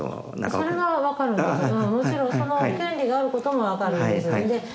もちろんその権利があることも分かるんです